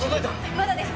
まだです！